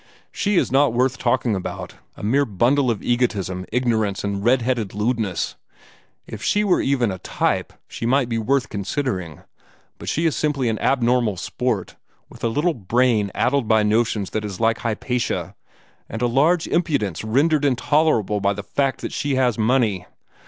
"She is not worth talking about a mere bundle of egotism, ignorance, and red headed lewdness. If she were even a type, she might be worth considering; but she is simply an abnormal sport, with a little brain addled by notions that she is like Hypatia, and a large impudence rendered intolerable by the fact that she has money.